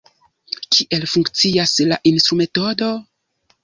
Kiel funkcias la instrumetodo?